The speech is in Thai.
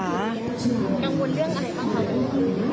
กังวลเรื่องอะไรบ้างคะ